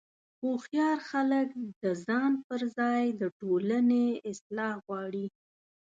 هوښیار خلک د ځان پر ځای د ټولنې اصلاح غواړي.